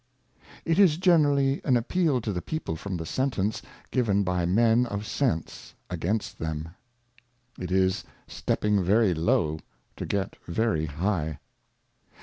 It is generally an Appeal to the People from the Sentence given by Men of Sense against them. It is stepping very low to get very high.